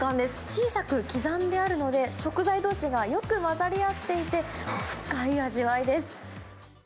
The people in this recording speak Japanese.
小さく刻んであるので、食材どうしがよく混ざり合っていて、深い味わいです。